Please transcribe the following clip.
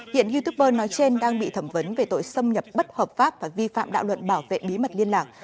hiện youtuber nói trên đang bị thẩm vấn về tội xâm nhập bất hợp pháp và vi phạm đạo luận bảo vệ bí mật liên lạc